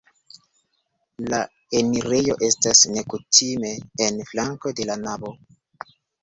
La enirejo estas nekutime en flanko de la navo.